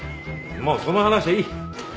もうその話はいい。